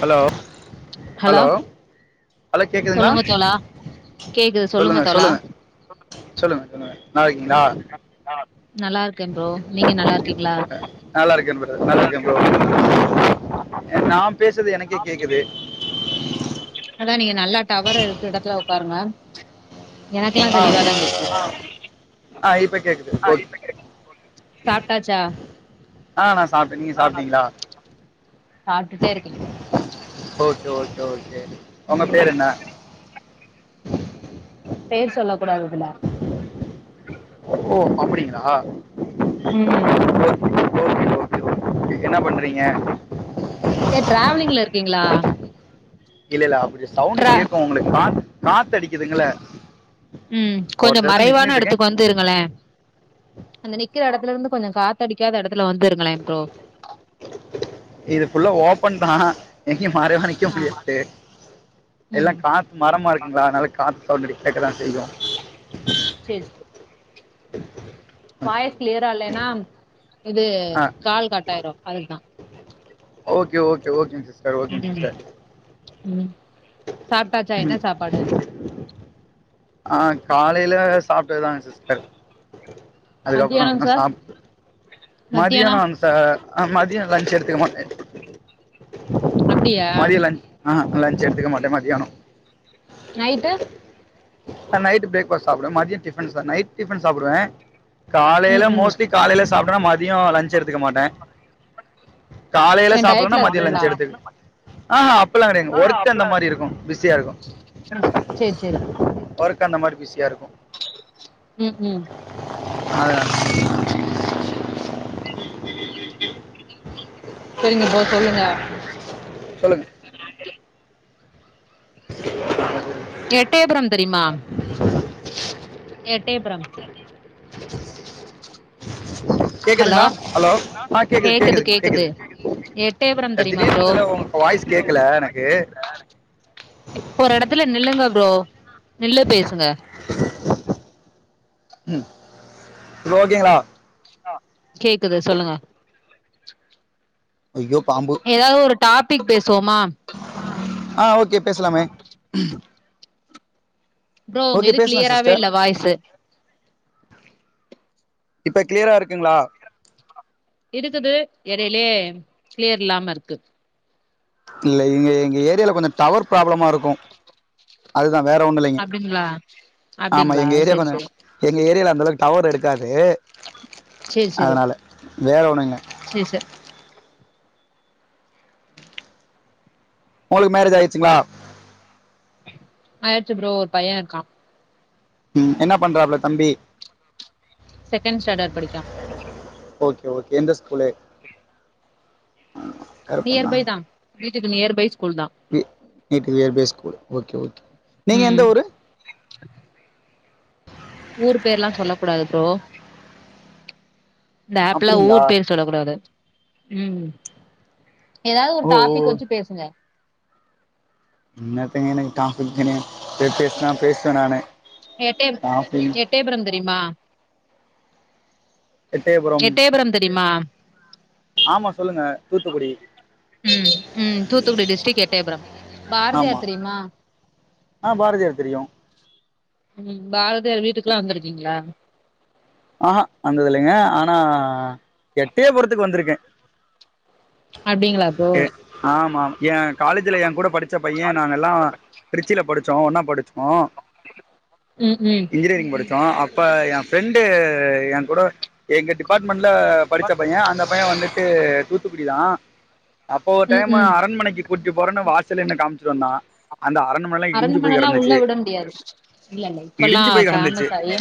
hello hello hello கேக்குதுங்களா சொல்லுங்க தோழா கேக்குது சொல்லுங்க தோழா சொல்லுங்க சொல்லுங்க சொல்லுங்க நலாருக்கீங்ளா நல்லாரு க்கே ப்ரோ நீங்க நல்லாருக்கீங்ளா நல்லா இருக்கேன் ப்ரோ நல்லா இருக்கேன் ப்ரோ நா பேசுற்து எனக்கே கேக்குது அதா நீங்க நல்லா டவரு இருக்க இடத்துல ஒக்காருங்க எனக்குலா ஆ தெளிவா தா கேக்குது ஆ இப்ப கேக்குது ஓகே சாப்ட்டாச்சா ஆ நா சாப்ட்டே நீங்க சாப்ட்டீங்களா சாப்ட்டுட்டே இருக்குது ஓகே ஓகே ஓகே உங்க பேரு ம் என்ன பேர் சொல்ல கூடாது இதுல ஓ அப்புடிங்களா ம் ஓகே ஓகே ஓகே என்ன பண்றீங்க ஏ ட்ராவலிங்ல இருக்கீங்களா இல்ல இல்ல அப்டி சவுண்டு ட்ரா கேக்கு உங்களுக்கு கா காத்து அடிக்கிதுங்கள ம் கொஞ்சொ மறைவான எடத்துக்கு வந் துருங்களே அந்த நிக்கிற எடத்துல இருந்து கொஞ்சொ காத்தடிக்காத எடத்துல வந்து இருங்களே ப்ரோ இது ஃபுல்லா ஓப்பன் தா எங்கயு மாறைவா நிக்க ஆ முடியாது எல்லா ம் காத் மரமா இருக்குங்களா அதுனால காத்து சவுண்டு கேக்க தா செய்யு சேரி வாய்ஸ் க்ளியரா இல்லைன்னா இது ஆ கால் கட் ஆயிரு அதுக்கு தா ஓகே ஓகே ஓகேங்க சிஸ்டர் ம் ஓகேங்க சிஸ்டர் ம் சாப்ட்டாச்சா என்ன சாப்பாடு ஆ காலைல சாப்ட்டது தாங் சிஸ் டர் அதுக்கப்பறொ மத்தியானம் இன்னொ சார் சாப் மத்தியானோ மதியானொ வந் டர் அ மதியொ லன்ச் எடுத்துக்க மாட்டே அப்டியா மதிய லன்ச் ஆ லஞ்ச் எடுத்துக்க மாட்டே மதியானொ நைட்டு நைட் பிரேக்ஃபாஸ்ட் சாப்புடுவ மதியம் டிஃபன் சா நைட் டிஃபன் சாப்புடுவ ம் காலையில ம் மோஸ்ட்லி காலையில சாப்பிட்டனா மதிய லன்ச் எடுத்துக்க மாட்ட காலையில ஏ சாப்டலன்னா டயட்ல மதிய இருக்கீங்களா லஞ்சு எடுத்துக் ஆ அப்பெல்லா கிடையாது ஒர்க் அந்த மாதிரி இருக்கும் பிஸியா இருக்கும் செரி செரி ஒர்க்கு அந்த மாதிரி பிஸியா இருக்கும் ம் ம் அதான் [inaudible] [inaudible] செரிங்க ப்ரோ சொல்லுங்க சொல்லுங்க [unintelligible] ஆ [inaudible] எட்டயப்புரம் தெரியுமா எட்டயப்புரம் ஹலோ கேக்குதுங்ளா ஹலோ அ கேக்குது கேக்குதுங்க கேக்குதுங்க எட்டயபுரம் தெரியுமா திடீர்னு ப்ரோ வந்ததுல உங்க உங்க வாய்ஸ் கேக்கல எனக்கு ஒரு எடத்துல நில்லுங்க ப்ரோ நில்லு பேசுங்க ம் இப்ப ஓகேங்களா கேக்குது சொல்லுங்க அய்யோ பாம்பு ஏதாவது ஒரு டாபிக் பேசுவோமா ஆ ஓகே பேசலாமே ப்ரோ உங்க ஓகே இது பேசலாம் கிளியராவே சிஸ்டர் இல்ல வாய்ஸு இப்ப கிளியரா இருக்குங்குகளா இருக்குது எடையிலயே கிளியர் இல்லாம இருக்கு இல்ல எங்க எங்க ஏரியால கொஞ்சோ டவர் ப்ராப்ளமா இருக்கு அதுதா வேற ஒண்ணு இல்லிங்க அப்டிங்களா ஆமா அப்டிங்களா எங்க ஏரியா செரி கொஞ்சோ செரி எங்க ஏரியால அந்த அளவுக்கு டவர் எடுக்காது அதனால வேற ஒண்ணு இல்ல சேர் சரி உங்களுக்கு மேரேஜ் ஆயிடுச்சுங்களா ஆயிடுச்சு ப்ரோ ஒரு பைய இருக்கா ம் என்ன பண்றாப்ல தம்பி செகண்ட் ஸாண்டர்ட் படிக்கா ஓகே ஓகே எந்த ஸ்கூலு நியர் பை தா வீட்டுக்கு நியர் பை ஸ் வீ வீட்டுக்கு நியர் பைய் ஸ்கூல் ஓகே ஓகே நீங்க எந்த ம் ஊரு ஊரு பேர்லா சொல்லக் கூடாது ப்ரோ இந்த ஆப்ல்ல அப்டிங்களா ஊர் பேர் சொல்லக் கூடாது ம் ஏதாவது ஒரு ஓ ஓ டாப்பீக் வெச்சு பேசுங்க என்னத்தங்க எனக்கு டாப்பீக்குன்னு இப்பே பேசுனா பேசுவ நானு எட்டே டாபிக் எட்டயப்புரம் தெரியுமா எட்டயபுரம் எட்டயப்புரம் தெரியுமா ஆமா சொல்லுங்க தூத்துக்குடி ம் ம் தூத்துக்குடி டிஸ்டிக் எட்டயப்புரம் ஆமா பாரதியார் தெரியுமா ஆ பாரதியார் தெரியு ம் பாரதியார் வீட்டுக்குல்லா வந்துருக்கீங்ளா ஆஹா வந்தது இல்லைங்க ஆனா எட்டயப்புரத்துக்கு வந்திருக்கே அப்டிங் ஏ ஆமா ஏ காலேஜ்ல ஏ கூட படிச்ச பைய நாங்கல்லா திருச்சிலப் படிச்சோ ஒன்னாப் படிச்சோ ம் ம் இன்ஜினியரிங் படிச்சோ அ இப்ப என் ஃபிரெண்டு ஏ கூட எங்க டிபார்ட்மெண்ட்ல படிச்ச பைய அந்த பைய வந்துட்டு தூத்துக்குடி தா அப்போ ஒரு ம் டைம்மு ம் அரண்மனைக்கு கூட்டி போறன்னு வாசல்லே என்ன காமிச்சிட்டு வந்தா அரண்மனைல்லா உள்ள விட முடியாது இல்ல இல்ல இப்பல்லா இடிஞ்சு போய் கிடந்துச்சு ஃபேமஸ் ஆயி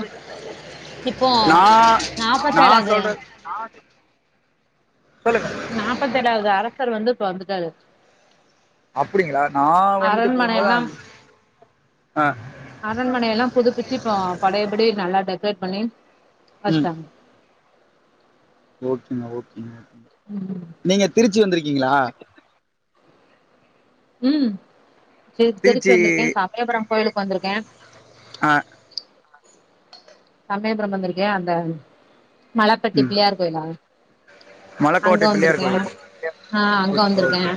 இப்போ நான் நான் நாப்பத்தேழாது சொல்ற சொல்லுங்க நாபத்தேழாவது அரசர் வந்து இப்ப வந்துட்டாரு அப்டிங்ளா நா வந்துட்டு அரண்மனை போம்போது அந் அ அரண்மனையெல்லா புதுப்பிச்சு இப்போ பழையப்படி நல்லா டெக்கரேட் பண்ணி ம் வச்சுட்டாங்க ஓகேங்க ஓகேங்க ம் நீங்க திருச்சி வந்துருக்கீங்ளா ம் திருச்சி வந்துருக்கேன் சமயபுரம் கோயிலுக்கு வந்துருக்கேன் அ சமயபுரம் வந்துருக்கேன் அந்த மலப்பட்டி ம் பிள்ளையார் கோயிலா அங்க மலைக்கோட்டை பிள்ளையார் வந்துருக்கேன் கோயில் அ அங்க ஓகே வந்துருக்கேன் ஓகே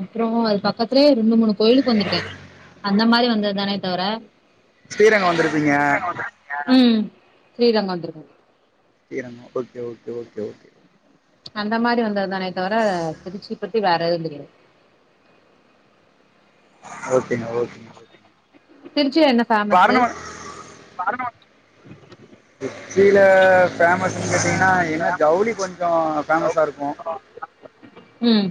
அப்பறம் அது பக்கத்துலே ரெண்டு மூணு கோயிலுக்கு வந்துருக்கேன் ஆ அந்த மாரி வந்ததுதானே தவிர ஸ்ரீரங்கம் வந்துருப்பீங்க ம் ஸ்ரீரங்கம் வந்துருக்கன் தீரன்ல ஓகே ஓகே ஓகே ஓகே அந்த மாரி வந்ததுதானே தவிர திருச்சி பத்தி வேற எதுந்தெரியாது ஓகேங்க ஓகேங்க ஓகேங்க திருச்சில என்ன இப்போ ஃபேமஸு அரண்மனை திருச்சில ஃபேமஸ்ன் கேட்டீங்னா என்ன ஜவுளி கொஞ்சம் ஃபேமஸாருக்கும் ம்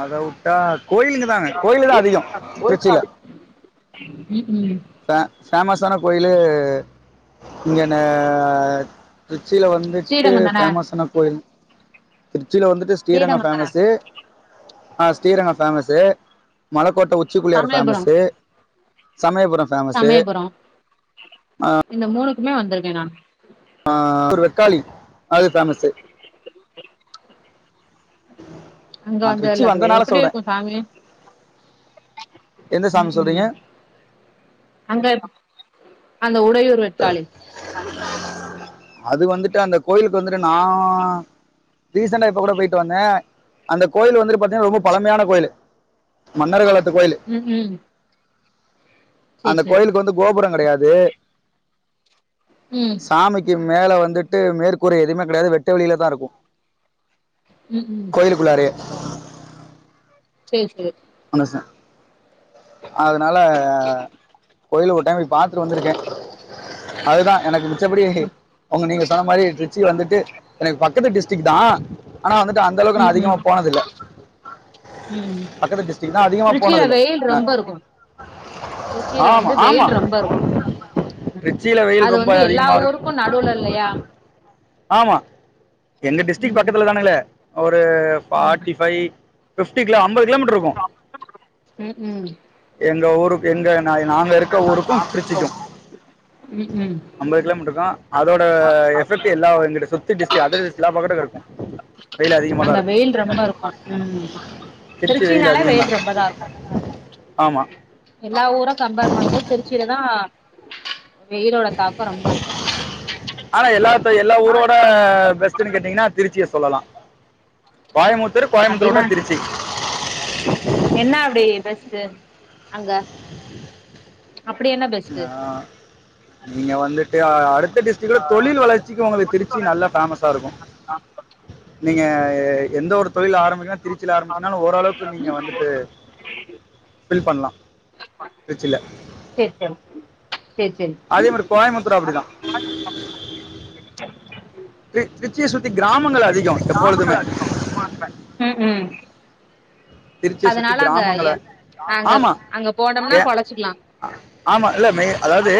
அத வுட்டா கோயிலுங்கதாங்க கோயிலுதான் அதிகம் திரிச்சில ம் ம் பே ஃபேமஸான கோயிலு இங்கன திருச்சில வந்துட்டு ஸ்ரீரங்கம் தான ஃபேமஸான கோயில் திருச்சில வந்துட்டு ஸ்ரீரங்கம் ஃபேமஸு அ Srirangam famous Malaikottai Uchipillaiyar Samayapuram famous Samayapuram famous Samayapuram இந்த மூணுக்குமே வந்துருக்கேன் நான் அ த்துரு வெக்காளி அது ஃபேமஸு அங்க நான் திருச்சி வந்ததில்ல ப்ரோ வந்தனால எப்டி சொல்கிறேன் இருக்கும் சாமி எந்த ம் சாமி சொல்றீங்க ம் அங்கயம்மா அந்த உடையூர் வெக்காளி அது வந்துட்டு அந்த கோயிலுக்கு வந்துட்டு நான் ரீசண்டா இப்ப கூட போயிட்டு வந்தேன் அந்த கோயில் வந்துட்டு பாத்தீங்கன்னா ரொம்ப பழமையான கோயிலு மன்னர் காலத் ம் ம் சேரி அந்த சேரி கோயிலுக்கு வந்து கோபுரங்கெடையாது ம் சாமிக்கு மேல வந்துட்டு மேற்கூற எதுமே கெடையாது வெட்ட வெலில தாருக்கு ம் ம் கோயிலுக்குள்ளாரயே சேர் சேர் மனுஷ அதுனால கோயிலு ஒரு டைம் போய் பாத்துட் வந்துருக்கே அதுதா எனக்கு மிச்சபடி ஒங்க நீங்க சொன்ன மாரி ட்ரிச்சு வந்துட்டு எனக்கு பக்கத்து டிஸ்ட்ரிக் தா ஆனா வந்துட்டு அந்த அளவுக் நா ம் அதிகமா ம் போனதில்ல பக்கத்து டிஸ் ட்ரிச்சில வெயில் ரொம்பருக்கு ட்ரிச்சில ஆமா வந்து ஆமா வெயில் ரொம்பருக்கு ம் திருச்சியில வெயில் அது ரொம்ப வந்து எல்லா அதிகமா ஊருக்கு இருக்கும் நடுவுலல்லயா ஆமா எங்க டிஸ்ட்ரிக் ம் பக்கத்துல னுகலே ஒரு ஃபார்ட்டிஃபைவ் ஃபிப்டி கிலோ அம்பது கிலோமீட்டருக்கு ம் ம் எங்க ஊருக்கு எங்க நா நாங்க இருக்க ஊருக்கு ட்ரிச்சிக்கு ம் ம் அம்பது கிலோமீட்ருதா அதோட எஃபெக்ட் எல்லா இங்கிட்டு சுத் தி டிஸ்ட்ரிக் அதர் டிஸ்ட்ரிக் எல்லா பக்கட்டுக்குருக்கு அங்க வெயில் ரொம்பருக்குமா ம் திருச்சி திருச்சினாலே அதிகம் வெயில் தான் ரொம்ப தாருக்கு ஆமா எல்லா ஊரும் கம்பேர் பண்போது திருச்சிலதா வெயிலோட தாக்கோ ரொம்பருக்கு ஆனா எல்லாத்த எல்லா ஊரோட பெஸ்ட்டுன்னு கேட்டீங்கனா திருச்சிய சொல்லலா கோயமுத்தூர் கோயம்முத்தூர அப்டின்னா உட்டா திருச்சி என்ன அப்டி எதாச்சி அங்க அப்படி என்ன பெஸ்ட்டு ஆ நீங்க வந்துட்டு அடுத்த டிஸ்ரிக்ட்ல தொழில் வளர்ச்சிக்கோ உங்கள திருச்சி நல்லா பேமஸாருக்கு நீங்க எந்த ஒரு தொழில் ஆரம்பிக்கனா திருச் ச்சிஆரம்பிச்சுனாலு ஓரளவுக்கு நீங்க வந்துட்டு பில் பண்ணலா திரிச்சில செர் சம் செர் செர் அதே மாரி கோயமுத்தூர் அப்டிதா திரு திருச்சியை சுற்றி கிராமங்கள் அதிகோ கிராம ஙமங்கள் அதிகோ போர் பை உம் உம் திருச்சியை சுத்தி அதனால அங்க ஏ கிராமங்களை அங்க ஆமா அங்க போனோம்னா ஏ பொழச்சிக்கலா ஆமா இல்ல மே அதாவது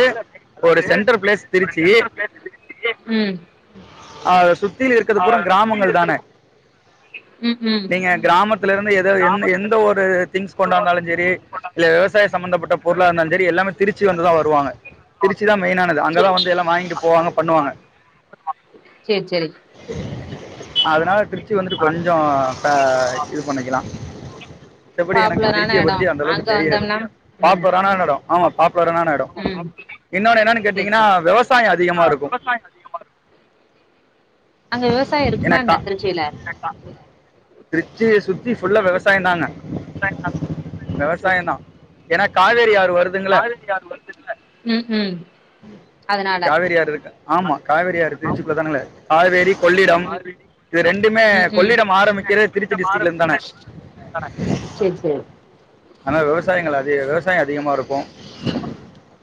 ஒரு சென்ட்ர் பிளேஸ் திருச்சி உம் அத சுத்தி இருக்கிறது புற கிராமங்கள் தானே ம் ம் நீங்க கிராமத்துல இருந்து ஏதோ எந்த எந்த ஒரு திங்ஸ் கொண்டாந்தாலு செரி இல்ல விவசாய சம்பந்தப்பட்ட பொருளா இருந்தாலு சரி எல்லாமே திருச்சு வந்துதா வருவாங்க திருச்சிதா மெயின்னனது அங்கெல்லா சேரி வந்து வாங்கிட்டு போவாங்க பண்ணுவாங்க செரி செரி அதனால ட்ருச்சி வந்துட்டு கொஞ்சோ ப இது பண்ணிக்கலா மித்தபடி எனக்கு பாப்புலரான திருச்சிய எடோ பத்தி அந்த அங்க அளவுக்கு தெரியாது வந்தோம்னா ம் பாப்புலரானா எடோ ஆமா பாப்புலர்னான எடோ ம் இன்னொன்னு என்னன்னு சேரி கேட்டீங்கன்னா சேரி விவசாயோ அதிகமா இருக்கும் அங்க விவசாயோ இருக்குமா எனக்கா என்ன திருச்சியில திருச்சிய சுத்தி ஃபுல்லா விவசாயந்தாங்க விவசாயந்தா ஏன்னா காவேரி ஆறு வருதுங்கல ம் ம் அதனால காவேரி ஆறு இருக்கு ஆமா காவேரி ஆறு திருச்சிக்குள்ள தானுங்கலே காவேரி கொள்ளிடம் இது ரெண்டுமே ம் ம் கொள்ளிடம் ஆரம்பிக்கிறது திருச்சி டிஸ்டிரிக்ல இருந்து தானே சேரி சேரி ஆனா விவசாயங்கள் அதிக விவசாயோ அதிகமா இருக்கு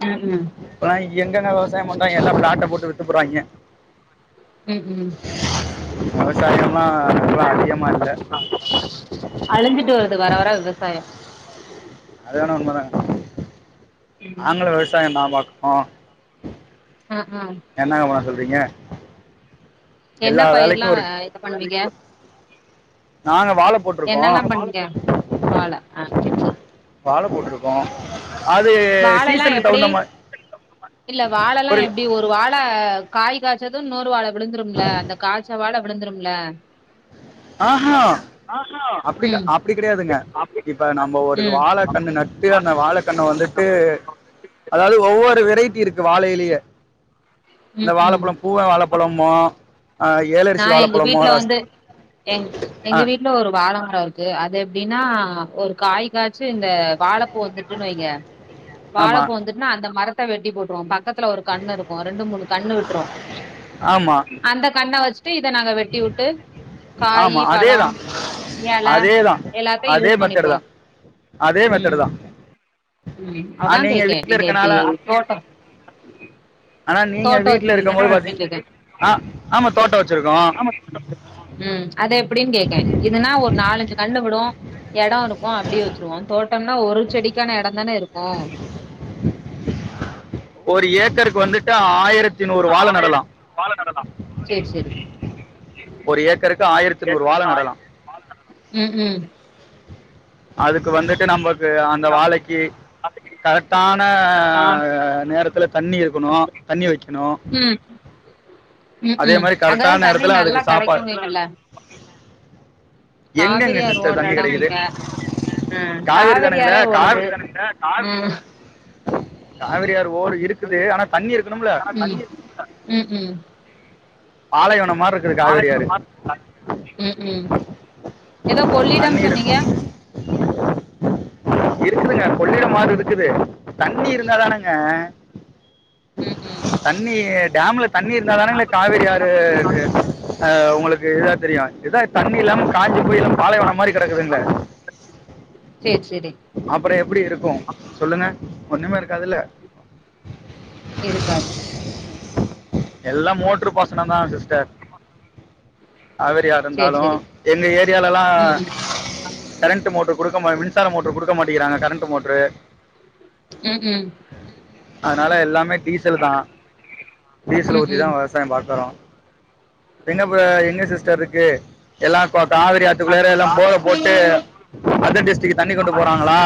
ம் ம் இப்பல்லா எங்கங்க விவசாயோ பண்றாங்க எல்லா ப்லாட்ட போட்டு வித்துப்புட்றாங்க ம் ஹும் விவசாயம்லா இப்ப அதிகமா இல்ல அழிஞ்சிட்டு வருது வர வர விவசாயம் அது ஆனா உண்ம தாங்க ம் நாங்களு விவசாயந்தா பாக்குறோ அ அ என்னங்க பண்ண சொல்றீங்க என்ன எல்லா பயிர்லா வேலைக்கும் ஒரு இது பண்ணுவீங்க நாங்க வாழை போட்டிருக்கோம் என்னல்லா பண்ணீங்க வாழ ஆ செரி செரி வாழ போட்ருக் க்கோ அது வாழல்லா சீசனுக்கு எப்டி தகுந்த மாரி இல்ல வாழல்லா புரில எப்டி ஒரு வாழ காய் காய்ச்சது இன்னொரு வாழ விழுந்துரும்ல அந்த காய்ச்ச வாழ விழுந்துரும்ல ஆ ஹா அப்டிக்கா ம் அப்டி கெடையாதுங்க இப்ப நம்ம ஒரு ம் வாழ கண்ணு நட் சீல அந்த வாழக்கண்ண வந்துட்டு அதாவது ஒவ்வொரு வெரைட்டி இருக்கு வாழையிலேயே இந்த ம் ம் வாழப்பழம் பூவ வாழப்பழமோ அ நா ஏலரசி எங்க வாழப்பழமோ வீட்ல ரஸ் வந்து எங் ஆ எங்க வீட்ல ஒரு வாழ மரோ இருக் க்கு அது எப்டின்னா ஒரு காய் காய்ச்சு இந்த வாழப்பூ வந்துட்டுன் வைங்க வாழப்பூ ஆமாம் வந்துட்டுன்னா அந்த மரத்த வெட்டி போட்டுருவோ பக்கத்துல ஒரு கண்ணு இருக்கு ரெண்டு மூணு கண்ணு விட்ரு ஆமாம் அந்த கண்ண வச்சுட்டு இத நாங்க வெட்டி வுட்டு காயி ஆமாம் அதே பழோம் தான் எல அதே தான் எல்லாத்தையு அதே யூஸ் மெத்தடு பண்ணிப்போ தான் அதே மெத்தடு ம் தா ம் அதா கேக்கே நீங்க எப்டி இருக்கனால ஆனா நீங்க தோட்டோ வீட்ல இருக்கும் வச்சிருக்கீங்கன்னா போது பாத்தீங்க எப்டின்னு கேக்கே ஆ ஆமா தோட்டோ வச்சுருக்கோ ம் அது எப்டின் கேக்கே இதுன்னா ஒரு நாலஞ்சு கண்ணு விடு எடோ இருக்கு அப்டியே வச்சுருவோ தோட்டம்னா ஒரு செடிக்கான எடந் தான இருக்கு ஒரு ஏக்கர்க்கு வந்துட்டு ஆயிரத் ஆயரத் வாழ நடலா ஒரு ஏக்கருக்கு ஆயிரத்தி நூறு வாழ நடலாம் ம் ம் அதுக்கு வந்துட்டு நம்பக்கு அந்த வாழைக்கி கரெக்டான நேரத்துல தண்ணி இருக்கணு தண்ணி வக்கணு ம் ம் ம் அங்கதா கரெக்டான தண்ணி நேரத்தில் நல்லா அதுக்கு சாப்பாடு கெடக்குமே நல்ல காவிரி எங்கெங்க ஆறு சிஸ்டர் ஓடுற தண்ணி எடம் கிடைக்குது இங்க ம் காவேரி காவிரி தானுங்களே ஆறே ஓடுது காவிரி ஆறு ஓடு இருக்குது ஆனா தண்ணி இருக்கணும்ல ம்ம் பாலைவனம்மாருக் ம் ம் ஏதோ தண்ணி கொள்ளிடம் சொன்னீங்க இருக்கு இருக்குதுங்க கொள்ளிடம் ஆறு இருக்குது தண்ணி இருந்தாதனங்க ம் ம் தண்ணி டேம்ல தண்ணி இருந்தானங்களே காவேரி ஆறு அ உங்களுக்கு இதா தெரியு இதா தண்ணி இல்லாம காஞ்சு போய் எல்லா பாலைவனம் மாரி கிடக்குதுங்களே சே சரி அப்றம் எப்டி இருக்கும் சொல்லுங்க ஒண்ணுமே இருக்காதுல்ல இருக்காது எல்லா மோட்ரு பாசனம் தா சிஸ்டர் காவேரி ஆறு சேரி இருந்தாலு சேரி எங்க ஏரியாலல்லா ம் கரண்ட் மோட்ரு குடுக்க மாட் மின்சார மோட்ரு குடுக்க மாட்டிங்கிறாங்க கரண்ட் மோட்ரு ம் ம் அதுனால எல்லாமே டீசல் தா டீசல் ஊத்திதா வ விவசாயம் பாக்குறோம் என்ன ப எங்க சிஸ்டர் இருக்கு எல்லா காவிரி ஆத் குள்ளற எல்லா போர போட்டு அதர் டிஸ்டிக் தண்ணி கொண்டு போறாங்களா